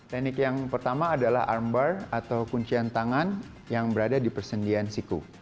teknik yang pertama adalah armbar atau kuncian tangan yang berada di persendian siku